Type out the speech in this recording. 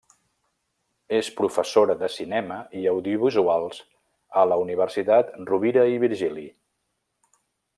És professora de cinema i audiovisuals a la Universitat Rovira i Virgili.